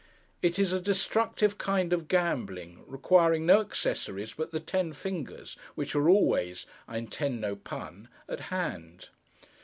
It is a destructive kind of gambling, requiring no accessories but the ten fingers, which are always—I intend no pun—at hand.